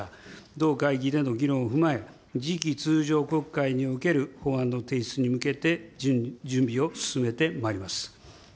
同会議での議論を踏まえ、次期通常国会における法案の提出に向けて、準備を進めてまいります。